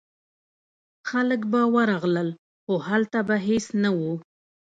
خلک به ورغلل خو هلته به هیڅ نه و.